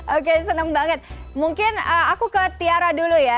oke senang banget mungkin aku ke tiara dulu ya